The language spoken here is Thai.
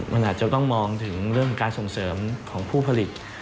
มันอาจจะต้องมองถึงเรื่องการส่งเสริมของผู้ผลิต